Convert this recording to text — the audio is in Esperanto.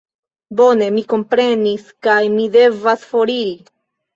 Bone, mi komprenis, kaj mi devas foriri